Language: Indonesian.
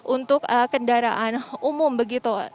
untuk kendaraan umum begitu